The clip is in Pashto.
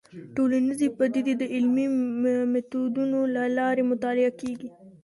ټولنيزې پديدې د علمي ميتودونو له لارې مطالعه کيږي.